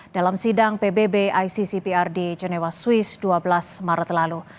dalam sidang pbb iccpr di genewa swiss dua belas maret lalu